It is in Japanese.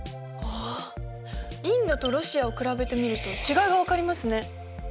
あっインドとロシアを比べてみると違いが分かりますね。